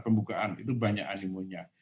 pembukaan itu banyak animunya